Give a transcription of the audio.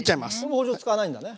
包丁使わないんだね。